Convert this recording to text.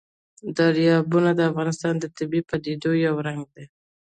دریابونه د افغانستان د طبیعي پدیدو یو رنګ دی.